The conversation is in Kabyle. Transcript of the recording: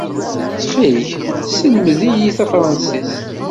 Ttxil-k, sselmed-iyi tafṛensist.